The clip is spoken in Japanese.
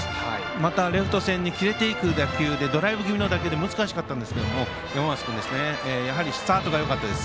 またレフト線に切れていくドライブ気味の打球で難しかったですが山増君、スタートがよかったです。